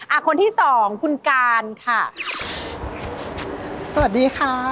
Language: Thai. อะคนที่สองคุณกาลค่ะ